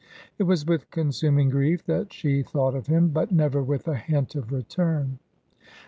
It was with consuming grief that she thought of him, but never with a hint of return.